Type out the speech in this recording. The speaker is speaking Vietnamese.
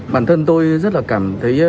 bản thân tôi rất là cảm thấy